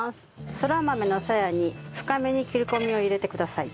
そら豆のさやに深めに切り込みを入れてください。